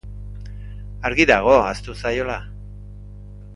Argi dago ahaztu zaiola.